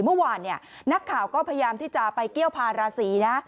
เมื่อวานนักข่าวก็พยายามที่จะไปเกี้ยวพาราศีนะ